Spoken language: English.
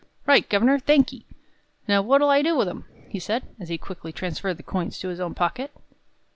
"Right, governor, thank'ee! Now what'll I do with 'em?" he said, as he quickly transferred the coins to his own pocket.